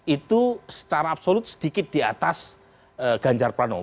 itu secara absolut sedikit di atas ganjar pranowo